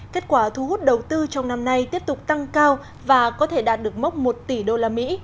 kết quả thu hút đầu tư trong năm nay tiếp tục tăng cao và có thể đạt được mốc một tỷ đô la mỹ